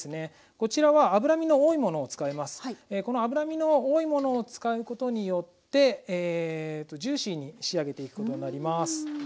この脂身の多いものを使うことによってジューシーに仕上げていくことになります。